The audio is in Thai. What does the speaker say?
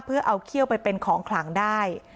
เพื่อเอาเขี้ยวไปเป็นของขลังได้